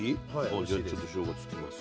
あじゃあちょっとしょうがつけます。